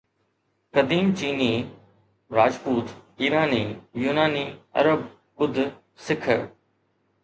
قديم چيني، راجپوت، ايراني، يوناني، عرب، ٻڌ، سک،